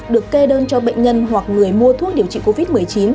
được kê đơn cho bệnh nhân hoặc người mua thuốc điều trị covid một mươi chín